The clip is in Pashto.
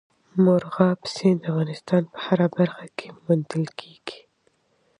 مورغاب سیند د افغانستان په هره برخه کې موندل کېږي.